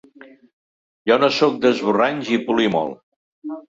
Jo no sóc d’esborranys i polir molt.